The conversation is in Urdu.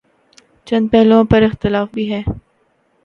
چند پہلوئوں پر اختلاف بھی ہے۔